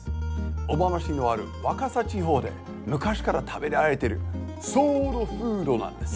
小浜市のある若狭地方で昔から食べられているソウルフードなんです。